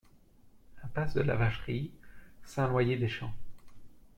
Impasse de la Vacherie, Saint-Loyer-des-Champs